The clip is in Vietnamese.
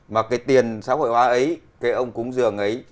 mà cái tiền xã hội hóa ấy cái ông cúng dường ấy